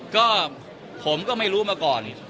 ก็ผมก็ไม่รู้มาก่อน